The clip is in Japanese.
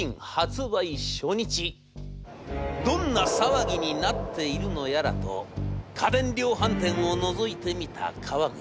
どんな騒ぎになっているのやらと家電量販店をのぞいてみた川口。